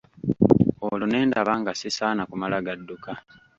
Olwo ne ndaba nga sisaana kumala gadduka.